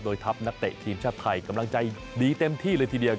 ทัพนักเตะทีมชาติไทยกำลังใจดีเต็มที่เลยทีเดียว